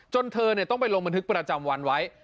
เธอต้องไปลงบันทึกประจำวันไว้